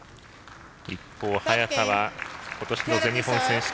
一方、早田は今年の全日本選手権